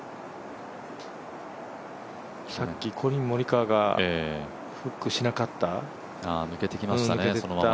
さっき、コリン・モリカワがフックしなかった、抜けていった。